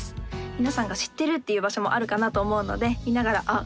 皆さんが知ってるっていう場所もあるかなと思うので見ながらあっ